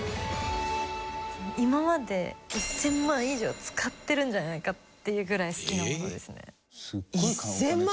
今まで１０００万以上使ってるんじゃないかっていうぐらい好きなものですね。